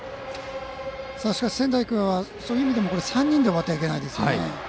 しかし仙台育英はそういう意味でも３人で終わってはいけませんね。